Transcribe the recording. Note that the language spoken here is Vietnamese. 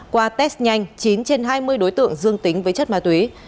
qua test nhanh chín trên hai mươi đối tượng dương tính với chất ma túy